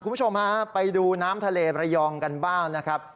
คุณผู้ชมฮะไปดูน้ำทะเลประยองกันบ้างนะครับ